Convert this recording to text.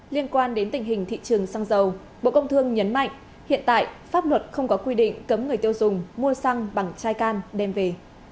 liên quan đến tình hình thị trường xăng dầu bộ công thương nhấn mạnh hiện tại pháp luật không có quy định cấm người tiêu dùng mua xăng bằng chai can đem về